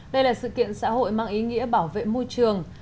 đây là sự kiện xã hội mang ý nghĩa bảo vệ môi trường